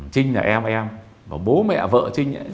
trinh là em em bố mẹ vợ trinh ấy